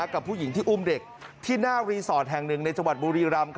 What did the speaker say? กับผู้หญิงที่อุ้มเด็กที่หน้ารีสอร์ทแห่งหนึ่งในจังหวัดบุรีรำ